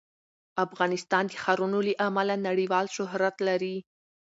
افغانستان د ښارونو له امله نړیوال شهرت لري.